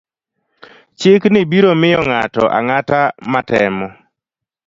Chikno biro miyo ng'ato ang'ata matemo